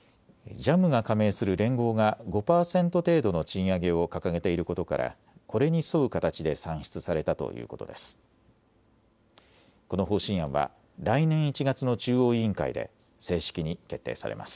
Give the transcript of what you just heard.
ＪＡＭが加盟する連合が５％程度の賃上げを掲げていることからこれに沿う形で算出されたということです。